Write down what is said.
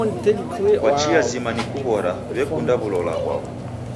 Kwa chia zima ni kughora, w'ekunda w'ulalo ghwaw'o.